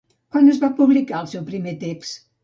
Quan es va publicar el seu primer text?